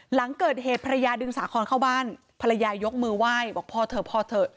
หลังเกิดเหตุภรรยาดึงสาคอนเข้าบ้านภรรยายกมือไหว้บอกพ่อเถอะพ่อเถอะ